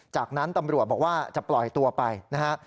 จากนั้นตำรวจบอกว่าจะปล่อยตัวไปนะฮะ